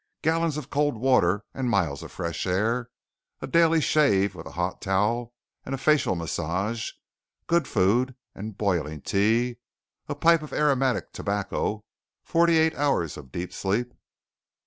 Gallons of cold water and miles of fresh air, a daily shave with a hot towel and a facial massage, good food and boiling tea, a pipe of aromatic tobacco, forty eight hours of deep sleep....